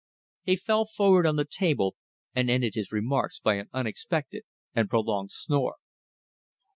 He fell forward on the table, and ended his remarks by an unexpected and prolonged snore.